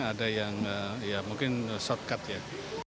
ada yang ya mungkin shortcut ya